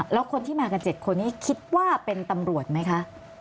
แล้วคนที่มากัน๗คนนี้คิดว่าเป็นตำรวจไหมคะ